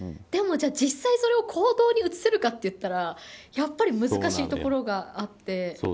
でも実際それを行動に移せるかと言ったらやっぱり難しいところがあって。